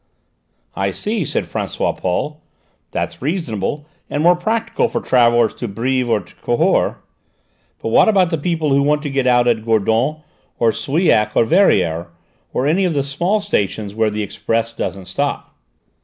"I see," said François Paul; "that's reasonable: and more practical for travellers to Brives or Cahors. But what about the people who want to get out at Gourdon, or Souillac, or Verrières, or any of the small stations where the express doesn't stop?"